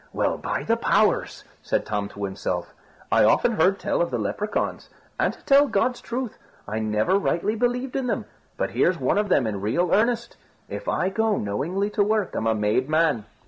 "Well, by the powers," said Tom to himself, "I often heard tell of the Lepracauns, and, to tell God's truth, I never rightly believed in them but here's one of them in real earnest. If I go knowingly to work, I'm a made man.